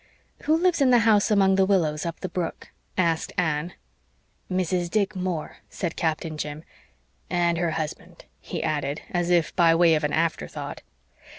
"Who lives in the house among the willows up the brook?" asked Anne. "Mrs. Dick Moore," said Captain Jim "and her husband," he added, as if by way of an afterthought.